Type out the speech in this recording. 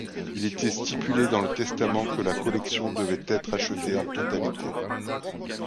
Il était stipulé dans le testament que la collection devait être achetée en totalité.